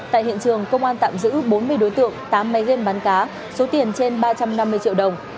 tại hiện trường công an tạm giữ bốn mươi đối tượng tám máy game bắn cá số tiền trên ba trăm năm mươi triệu đồng